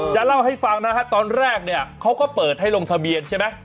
จะเล่าให้ฟังนะฮะตอนแรกเนี่ยเขาก็เปิดให้ลงทะเบียนใช่ไหม